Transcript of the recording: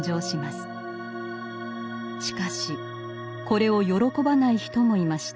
しかしこれを喜ばない人もいました。